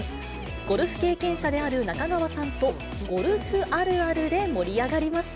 ゴルフ経験者である中川さんと、ゴルフあるあるで盛り上がりました。